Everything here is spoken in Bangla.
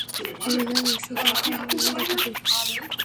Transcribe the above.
লেজার রশ্মি তার কামাল দেখাবে!